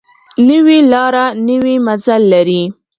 نوې لاره نوی منزل لري